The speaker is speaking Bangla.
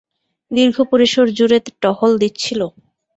দীর্ঘ-পরিসর জুড়ে টহল দিচ্ছিল?